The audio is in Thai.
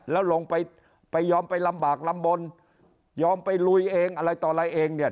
แล้วลงไปไปยอมไปลำบากลำบลยอมไปลุยเองอะไรต่ออะไรเองเนี่ย